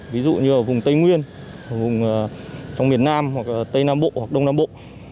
ví dụ như vùng tây nguyên vùng trong miền nam hoặc tây nam bộ hoặc đông nam bộ